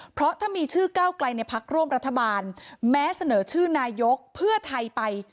เพราะถ้ามีชื่อก้าวไกลในพักร่วมรัฐบาลแม้เสนอชื่อนายกเพื่อไทยไป